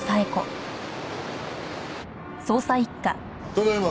ただいま。